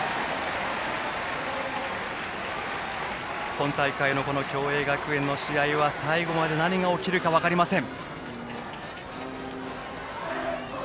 今大会の共栄学園の試合は最後まで何が起きるか分かりません。